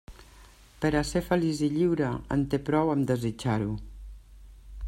Per a ser feliç i lliure, en té prou amb desitjar-ho.